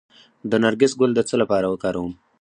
د نرګس ګل د څه لپاره وکاروم؟